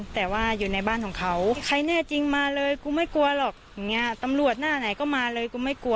แต่ว่าอยู่ในบ้านของเขาใครแน่จริงมาเลยกูไม่กลัวหรอกตำรวจหน้าไหนก็มาเลย